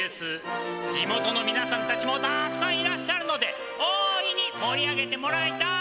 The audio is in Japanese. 地元のみなさんたちもたっくさんいらっしゃるので大いに盛り上げてもらいたい。